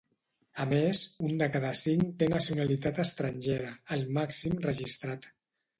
A més, un de cada cinc té nacionalitat estrangera, el màxim registrat.